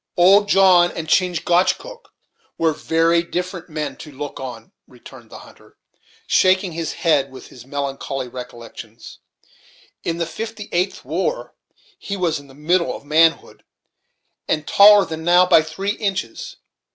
"Old John and Chingachgook were very different men to look on," returned the hunter, shaking his head at his melancholy recollections. "In the 'fifty eighth war' he was in the middle of manhood, and taller than now by three inches.